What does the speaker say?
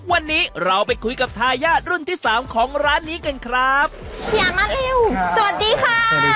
วันนี้เราไปคุยกับทายาทรุ่นที่สามของร้านนี้กันครับอย่ามาริวสวัสดีค่ะ